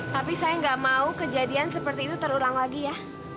tapi saya nggak mau kejadian seperti itu terulang lagi ya